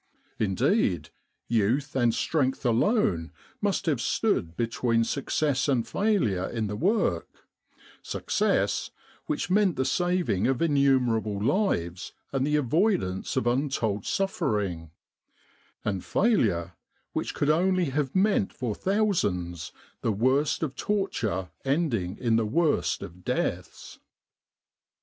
Indeed, youth and strength alone must have stood between success and failure in the work success, which meant the saving of innumerable lives and the avoidance of untold suffering; and failure, which could only have meant for thousands the worst of torture ending in the worst of deaths.